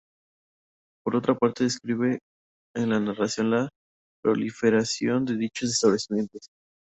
Por otra parte, describe en la narración la proliferación de dichos establecimientos.